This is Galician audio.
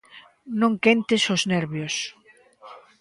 Non quentes os nervios.